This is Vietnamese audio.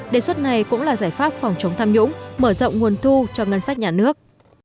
đề xuất này cũng là giải pháp phòng chống tham nhũng mở rộng nguồn thu cho ngân sách nhà nước